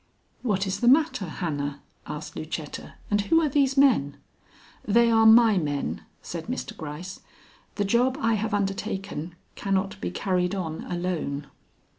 "What is the matter, Hannah?" asked Lucetta. "And who are these men?" "They are my men," said Mr. Gryce. "The job I have undertaken cannot be carried on alone."